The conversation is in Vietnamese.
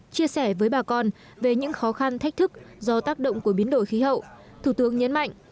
chia sẻ với bà con về những khó khăn thách thức do tác động của biến đổi khí hậu thủ tướng nhấn mạnh